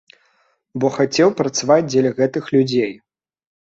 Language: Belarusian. Бо хацеў працаваць дзеля гэтых людзей.